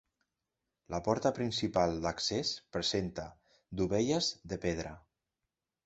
La porta principal d'accés presenta dovelles de pedra.